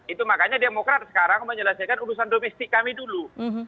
itu makanya demokrat sekarang menyelesaikan urusan domestik kami dulu